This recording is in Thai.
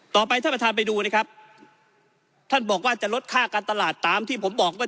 ต่อไปท่านประธานไปดูนะครับท่านบอกว่าจะลดค่าการตลาดตามที่ผมบอกไว้